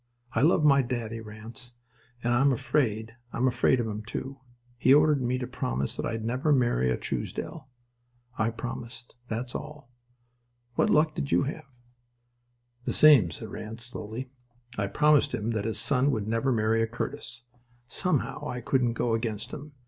I love my daddy, Ranse, and I'm afraid—I'm afraid of him too. He ordered me to promise that I'd never marry a Truesdell. I promised. That's all. What luck did you have?" "The same," said Ranse, slowly. "I promised him that his son would never marry a Curtis. Somehow I couldn't go against him.